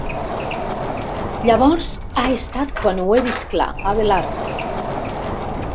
Llavors ha estat quan ho he vist clar, Abelard.